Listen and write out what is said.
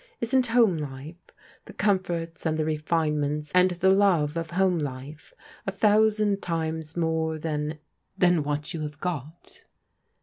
Isn't home life, the comforts and the refinements and the love of home life a thousand times more than — than what you have got?"